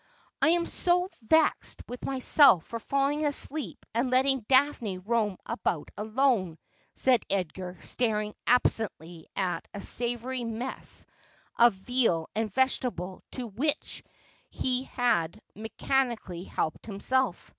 ' I am so vexed with myself for falling asleep and letting Daphne roam about alone,' said Edgar, staring absently at a savoury mess of veal and vegetable to which he had mechani cally helped himself.